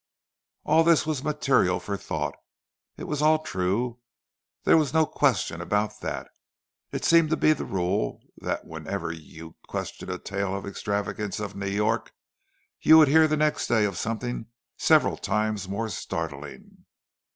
All that was material for thought. It was all true—there was no question about that. It seemed to be the rule that whenever you questioned a tale of the extravagances of New York, you would hear the next day of something several times more startling.